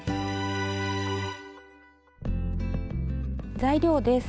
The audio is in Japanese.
材料です。